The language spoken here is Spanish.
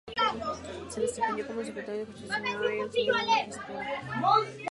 Se desempeñó como Secretario de Justicia Señor y el Señor de Magistratura.